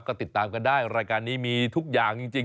ก็ติดตามกันได้รายการนี้มีทุกอย่างจริง